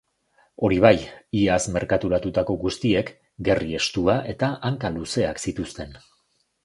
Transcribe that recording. Hori bai, iaz merkaturatutako guztiek gerri estua eta hanka luzeak zituzten.